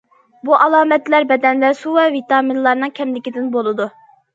بۇ ئالامەتلەر بەدەندە سۇ ۋە ۋىتامىنلارنىڭ كەملىكىدىن بولىدۇ.